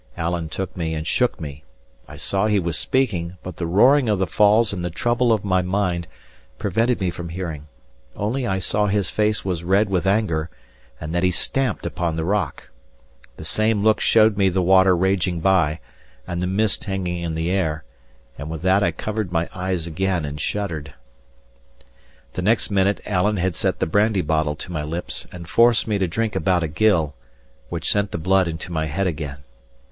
Alan took me and shook me; I saw he was speaking, but the roaring of the falls and the trouble of my mind prevented me from hearing; only I saw his face was red with anger, and that he stamped upon the rock. The same look showed me the water raging by, and the mist hanging in the air: and with that I covered my eyes again and shuddered. The next minute Alan had set the brandy bottle to my lips, and forced me to drink about a gill, which sent the blood into my head again.